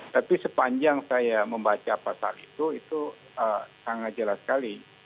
tapi sepanjang saya membaca pasal itu itu sangat jelas sekali